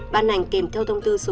ban hành kèm theo thông tư